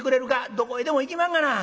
「どこへでも行きまんがな。